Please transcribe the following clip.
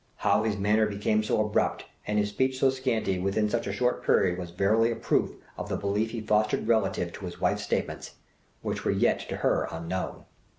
How his manner became so abrupt and his speech so scanty within such a short period was verily a proof of the belief he fostered relative to his wife's statements, which were yet to her unknown.